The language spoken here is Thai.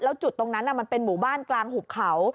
แล้วจุดตรงนั้นมันเป็นหมู่บ้านกลางหุบเขา